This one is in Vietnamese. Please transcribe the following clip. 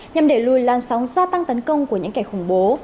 nhằm để lùi lan sóng gia tăng tấn công của những kẻ khủng bố